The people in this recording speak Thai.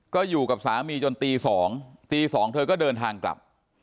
ก็อยู่กับสามีจนตี๒ตี๒เธอก็เดินทางกลับ